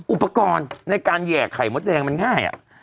อุปกรณ์ในการแห่ไข่มดแดงมันง่าย